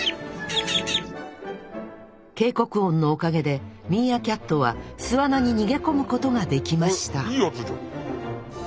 警告音のおかげでミーアキャットは巣穴に逃げ込むことができましたいいやつじゃん！